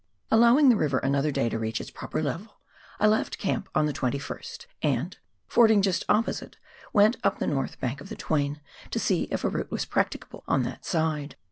Allowing tlie river another day to reach its proper level, I left camp on the 21st, and, fording just opposite, went up the north bank of the Twain, to see if a route was practicable on that side.